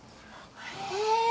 へえ！